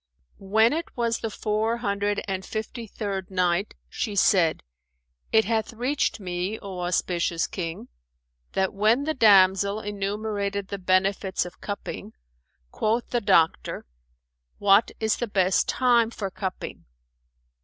When it was the Four Hundred and Fifty third Night, She said, It hath reached me, O auspicious King, that when the damsel enumerated the benefits of cupping, quoth the doctor, "What is the best time for cupping?"